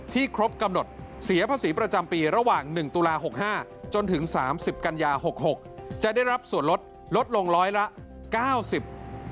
ครบกำหนดเสียภาษีประจำปีระหว่างหนึ่งตุลาหกห้าจนถึงสามสิบกันยาหกหกจะได้รับส่วนลดลดลงร้อยละเก้าสิบ